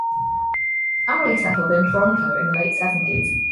The family settled in Toronto in the late seventies.